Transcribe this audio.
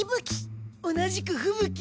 同じくふぶ鬼。